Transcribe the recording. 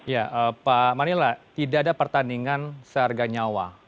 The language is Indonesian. ya pak manila tidak ada pertandingan seharga nyawa